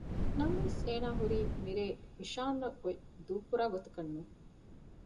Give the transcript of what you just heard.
ނަމަވެސް އޭނާ ހުރީ މިރޭ ވިޝާން އަށް ގޮތް ދޫކުރާ ގޮތަކަށް ނޫން